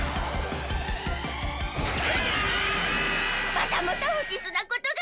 またまたふきつなことが！